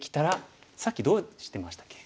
さっきどうしてましたっけ？